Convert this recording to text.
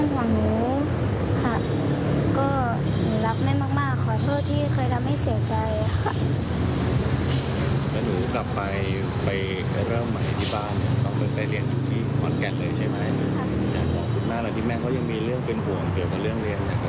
คือเป็นเด็กดีไม่ต้องห่วงหนูค่ะก็รับแม่มากขอโทษที่เคยทำให้เสียใจค่ะ